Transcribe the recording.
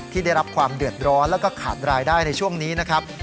ได้รับความเดือดร้อนแล้วก็ขาดรายได้ในช่วงนี้นะครับ